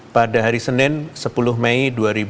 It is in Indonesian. pada hari senin sepuluh mei dua ribu dua puluh